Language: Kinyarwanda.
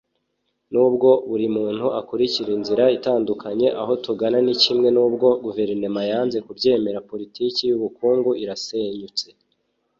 nubwo buri muntu akurikira inzira itandukanye, aho tugana ni kimwe. nubwo guverinoma yanze kubyemera, politiki y'ubukungu irasenyutse